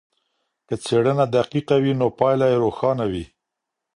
که څېړنه دقیقه وي نو پایله یې روښانه وي.